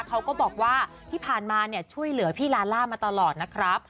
เขาก็บอกว่าที่ผ่านมาช่วยเหลือพี่ลาล่ามาตลอดนะครับ